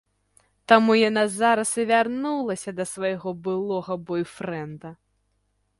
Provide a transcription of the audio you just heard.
Таму яна зараз і вярнулася да свайго былога бойфрэнда.